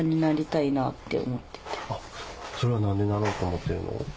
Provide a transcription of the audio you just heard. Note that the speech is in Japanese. それは何でなろうと思ってんの？